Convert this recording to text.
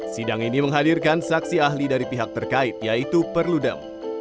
sidang ini menghadirkan saksi ahli dari pihak terkait yaitu perludem